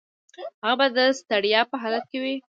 هغه به د ستړیا په حالت کې وي.